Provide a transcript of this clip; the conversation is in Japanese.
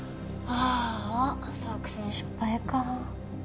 あ作戦失敗か